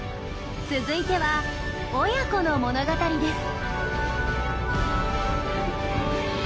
続いては親子の物語です。